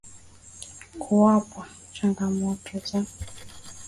Kukwepa changamoto za uwanjani kwa maana ya kuchezewa rafu